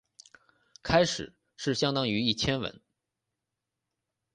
开始是相当于一千文。